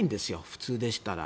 普通でしたら。